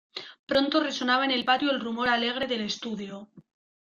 Pronto resonaba en el patio el rumor alegre del estudio.